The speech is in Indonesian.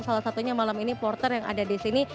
salah satunya malam ini porter yang ada di sini